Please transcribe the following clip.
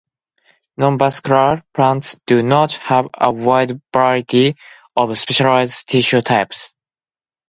Non-vascular plants do not have a wide variety of specialized tissue types.